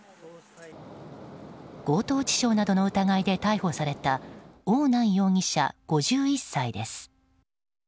強盗致傷などの疑いで逮捕されたオウ・ナン容疑者、５１歳です。